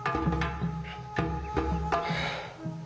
はあ。